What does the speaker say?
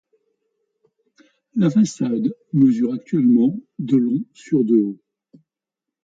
La façade mesure actuellement de long sur de haut.